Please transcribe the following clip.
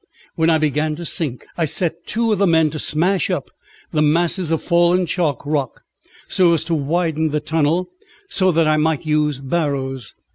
When I began to sink, I set two of the men to smash up the masses of fallen chalk rock, so as to widen the tunnel, so that I might use barrows.